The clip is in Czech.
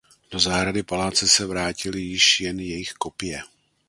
Do zahrady paláce se vrátily již jen jejich kopie.